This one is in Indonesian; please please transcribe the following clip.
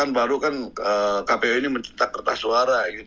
baru kan kpu ini mencetak kertas suara